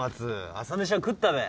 朝飯は食ったべ。